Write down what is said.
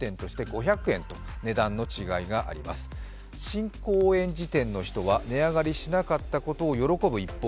新高円寺店の人は値上がりしなかったことを喜ぶ一方